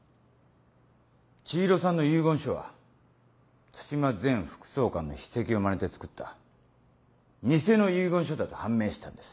千尋さんの遺言書は津島前副総監の筆跡をまねて作った偽の遺言書だと判明したんです。